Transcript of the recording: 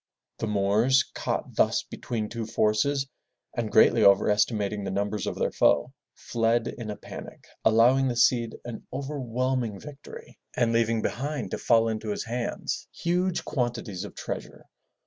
The Moors, caught thus between two forces, and greatly over estimating the numbers of their foe, fled in a panic, allowing the Cid an overwhelming victory, and leaving behind to fall into his hands, huge quantities 319 MY BOOK HOUSE of treasure.